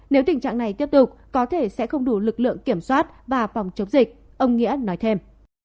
nếu tình trạng này tiếp tục có thể sẽ không đủ lực lượng kiểm soát và phòng chống dịch ông nghĩa nói thêm